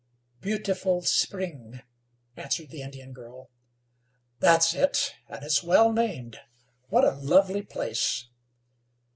"Beautiful Spring," answered the Indian girl. "That's it, and it's well named. What a lovely place!"